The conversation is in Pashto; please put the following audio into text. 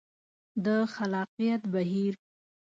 د خلاقیت بهیر